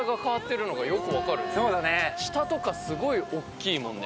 下とかすごいおっきいもんね。